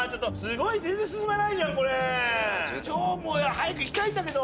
早く行きたいんだけど。